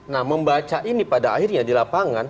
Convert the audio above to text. nah membaca ini pada akhirnya di lapangan